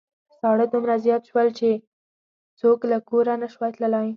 ساړه دومره زيات شول چې څوک له کوره نشوای تللای.